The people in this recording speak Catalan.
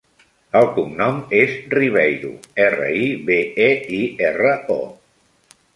El cognom és Ribeiro: erra, i, be, e, i, erra, o.